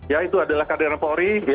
ya itu adalah kader polri